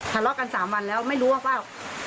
ทะเลาะกัน๓วันแล้วไม่รู้ว่าเปล่า